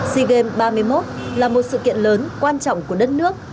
sea games ba mươi một là một sự kiện lớn quan trọng của đất nước